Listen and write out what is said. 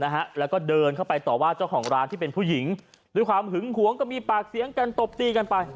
นะฮะแล้วก็เดินเข้าไปต่อว่าเจ้าของร้านที่เป็นผู้หญิงด้วยความหึงหวงก็มีปากเสียงกันตบตีกันไป